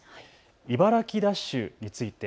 茨城ダッシュについて。